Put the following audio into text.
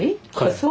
そう？